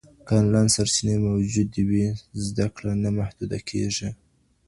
که انلاین سرچینې موجودې وي، زده کړه نه محدوده کېږي.